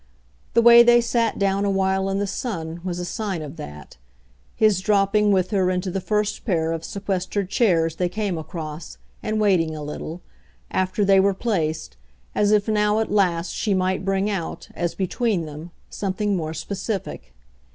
The way they sat down awhile in the sun was a sign of that; his dropping with her into the first pair of sequestered chairs they came across and waiting a little, after they were placed, as if now at last she might bring out, as between them, something more specific.